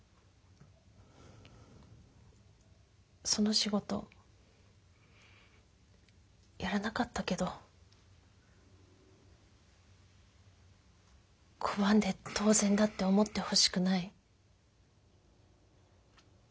その仕事やらなかったけど拒んで当然だって思ってほしくない。